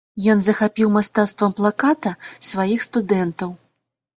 Ен захапіў мастацтвам плаката сваіх студэнтаў.